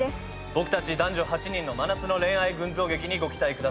僕たち男女８人の真夏の恋愛群像劇にご期待ください。